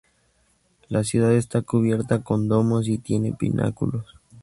La ciudad está cubierta con domos y tiene pináculos.